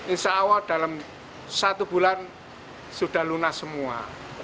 insya allah dalam satu bulan sudah lunas semua